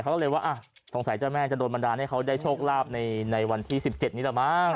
เขาก็เลยว่าสงสัยเจ้าแม่จะโดนบันดาลให้เขาได้โชคลาภในวันที่๑๗นี้แหละมั้ง